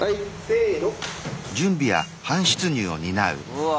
うわ。